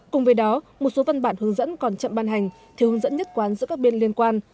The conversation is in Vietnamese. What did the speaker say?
cùng với đó một số văn bản hướng dẫn còn chậm ban hành thiếu hướng dẫn nhất quán giữa các bên liên quan